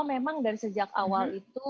memang dari sejak awal itu